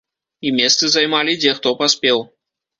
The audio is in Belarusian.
І месцы займалі, дзе хто паспеў.